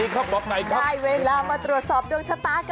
สวัสดีค่ะ